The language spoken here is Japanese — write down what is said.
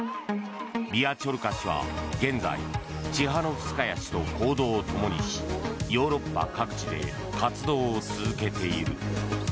ビアチョルカ氏は現在チハノフスカヤ氏と行動を共にしヨーロッパ各地で活動を続けている。